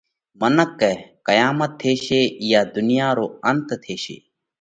منک ڪئه: قيامت ٿيشي، اِيئا ڌُنيا رو انت ٿيشي۔